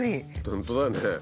本当だよね。